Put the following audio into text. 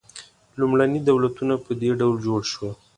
لومړني دولتونه په دې ډول جوړ شول.